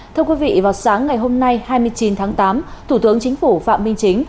thưa quý vị vào sáng ngày hôm nay hai mươi chín tháng tám thủ tướng chính phủ phạm minh chính